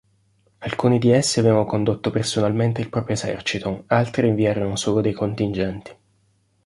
Alcuni di essi avevano condotto personalmente il proprio esercito, altri inviarono solo dei contingenti.